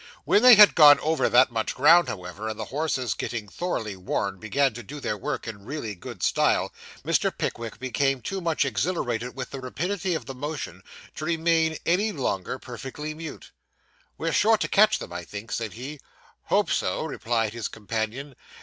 When they had gone over that much ground, however, and the horses getting thoroughly warmed began to do their work in really good style, Mr. Pickwick became too much exhilarated with the rapidity of the motion, to remain any longer perfectly mute. 'We're sure to catch them, I think,' said he. 'Hope so,' replied his companion.